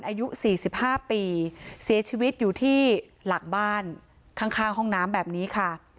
อายุสี่สิบห้าปีเสียชีวิตอยู่ที่หลักบ้านข้างข้างห้องน้ำแบบนี้ค่ะ